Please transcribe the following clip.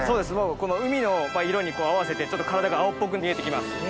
この海の色に合わせてちょっと体が青っぽく見えて来ます。